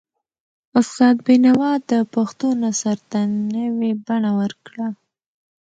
استاد بینوا د پښتو نثر ته نوي بڼه ورکړه.